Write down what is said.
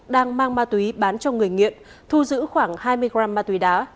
đang mang ma túy bán cho người nghiện thu giữ khoảng hai mươi g ma túy đá